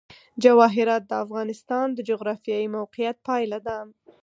جواهرات د افغانستان د جغرافیایي موقیعت پایله ده.